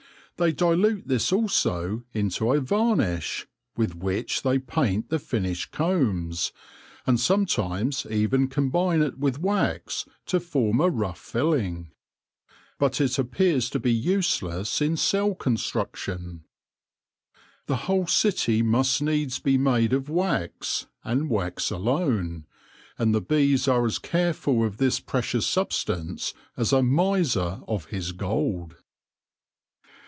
They dilute this also into a varnish, with which they paint the finished combs, and sometimes even com bine it with wax to form a rough filling ; but it appears to be useless in cell construction. The whole city must needs be made of wax, and wax alone ; and the bees are as careful of this precious substance as a miser of his gold.